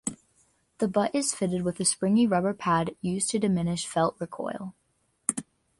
The butt is fitted with a springy rubber pad used to diminish felt recoil.